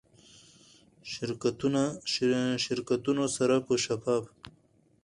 شرکتونو سره به شفاف،